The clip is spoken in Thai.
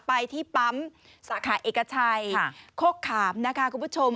ไปที่ปั๊มสาขาเอกชัยโคกขามนะคะคุณผู้ชม